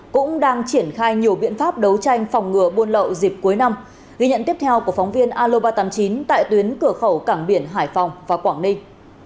cũng đang triển khai nhiều biện pháp đấu tranh phòng ngừa buôn lậu dịp cuối năm ghi nhận tiếp theo của phóng viên alo ba trăm tám mươi chín tại tuyến cửa khẩu cảng biển hải phòng và quảng ninh